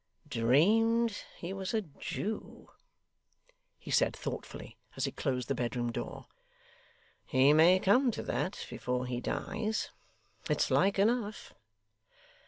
'Dreamed he was a Jew,' he said thoughtfully, as he closed the bedroom door. 'He may come to that before he dies. It's like enough.